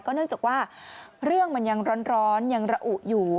เนื่องจากว่าเรื่องมันยังร้อนยังระอุอยู่